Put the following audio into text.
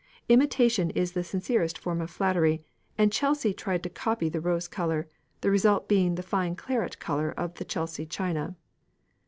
Imitation is the sincerest form of flattery, and Chelsea tried to copy the rose colour, the result being the fine claret colour of the Chelsea china.